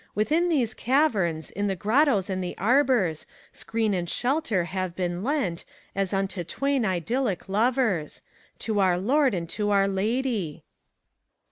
Within these caverns, in the grottos and the arbors. Screen and shelter have been lent, as unto twain idyllic lovers. To our Lord and to our Lady.